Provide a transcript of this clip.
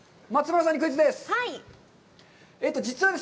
松村さんにクイズです。